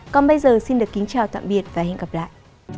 còn bây giờ xin kính chào và hẹn gặp lại